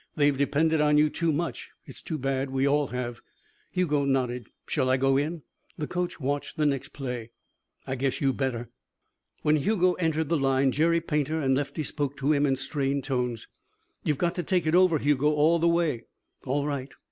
They've depended on you too much. It's too bad. We all have." Hugo nodded. "Shall I go in?" The coach watched the next play. "I guess you better." When Hugo entered the line, Jerry Painter and Lefty spoke to him in strained tones. "You've got to take it over, Hugo all the way." "All right."